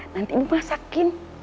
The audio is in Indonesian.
nanti ibu masakin